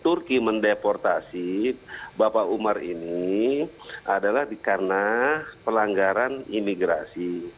turki mendeportasi bapak umar ini adalah karena pelanggaran imigrasi